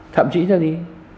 thậm chí là gì